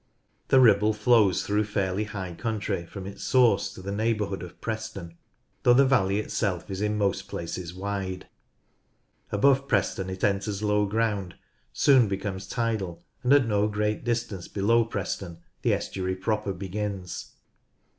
The Ribble flows through fairly high country from its source to the neighbourhood of Preston, though the valley itself is in most places wide. Above Preston it enters low ground, soon becomes tidal, and at no great distance below Preston the estuary proper begins.